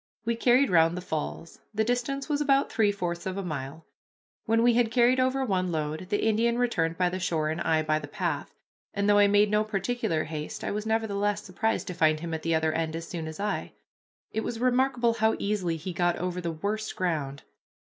We carried round the falls. The distance was about three fourths of a mile. When we had carried over one load, the Indian returned by the shore, and I by the path; and though I made no particular haste I was nevertheless surprised to find him at the other end as soon as I. It was remarkable how easily he got over the worst ground.